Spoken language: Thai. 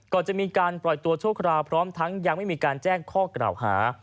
ก่อนจะมีการปล่อยตัวชั่วคราวพร้อมทั้งยังไม่มีการแจ้งข้อกล่าวหา